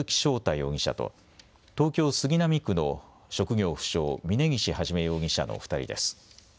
容疑者と東京杉並区の職業不詳、峯岸一容疑者の２人です。